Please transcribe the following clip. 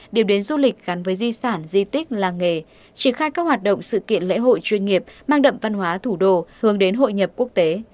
điểm đến du lịch gắn với di sản di tích làng nghề triển khai các hoạt động sự kiện lễ hội chuyên nghiệp mang đậm văn hóa thủ đô hướng đến hội nhập quốc tế